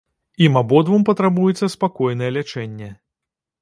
Ім абодвум патрабуецца спакойнае лячэнне.